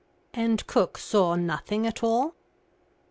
'" "And cook saw nothing at all?"